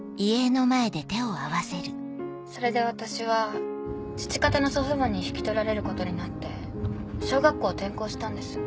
それで私は父方の祖父母に引き取られることになって小学校を転校したんです。